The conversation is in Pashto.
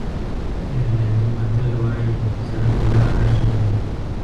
آیرلېنډي متل وایي زړه مو لاره ښیي.